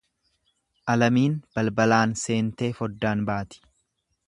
Alamiin balbalaan seentee foddaan baati.